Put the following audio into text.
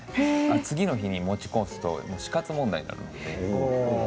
次の日に持ち越すと死活問題になるので。